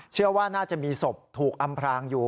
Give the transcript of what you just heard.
เชื่อว่าน่าจะมีศพถูกอำพรางอยู่